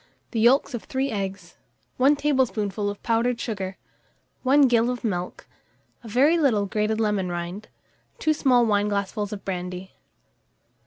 The yolks of 3 eggs, 1 tablespoonful of powdered sugar, 1 gill of milk, a very little grated lemon rind, 2 small wineglassfuls of brandy.